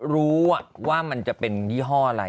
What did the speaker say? รู้ว่ามันจะเป็นยี่ห้ออะไร